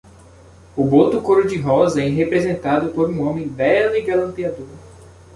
O boto-cor-de-rosa é representado por um homem belo e galanteador